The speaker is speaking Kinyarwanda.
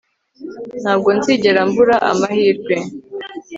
ntabwo nzigera mbura amahirwe